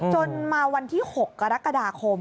จนมาวันที่๖กรกฎาคม